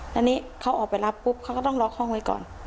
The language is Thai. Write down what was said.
แล้วนี่เขาออกไปรับปุ๊บเขาก็ต้องล็อกห้องไว้ก่อน